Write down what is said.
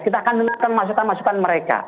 kita akan dengarkan masukan masukan mereka